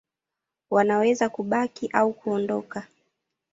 Wanaweza kubaki au kuondoka.